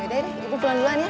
yaudah ibu pulang pulang ya